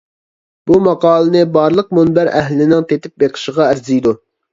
بۇ ماقالىنى بارلىق مۇنبەر ئەھلىنىڭ تېتىپ بېقىشىغا ئەرزىيدۇ.